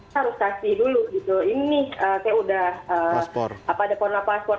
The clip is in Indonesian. harus kasih dulu gitu ini saya udah ada corona passport